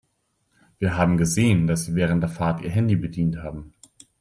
Wir haben gesehen, dass Sie während der Fahrt Ihr Handy bedient haben.